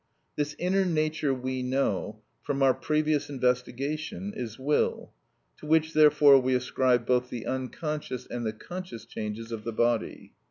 This inner nature we know, from our previous investigation, is will, to which therefore we ascribe both the unconscious and the conscious changes of the body.